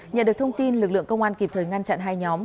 nhận được thông tin lực lượng công an kịp thời ngăn chặn hai nhóm